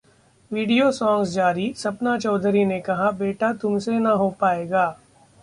video song जारीः सपना चौधरी ने कहा- बेटा तुमसे ना हो पाएगा